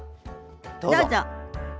どうぞ。